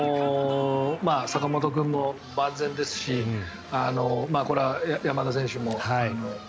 坂本君も万全ですしこれは山田選手。